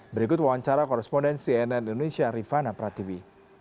berikut wawancara korrespondensi nn indonesia rifana pratibi